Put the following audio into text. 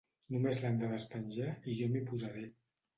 Només l'han de despenjar i jo m'hi posaré.